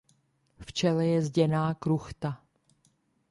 V čele je zděná kruchta.